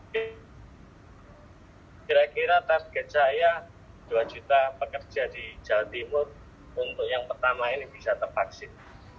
kira kira target saya dua juta pekerja di jawa timur untuk yang pertama ini bisa tervaksin